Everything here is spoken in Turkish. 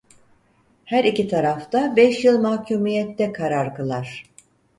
Her iki taraf da beş yıl mahkûmiyette karar kılar.